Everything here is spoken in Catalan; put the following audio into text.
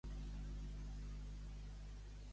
El Departament de Salut ha engegat el programa Fumar?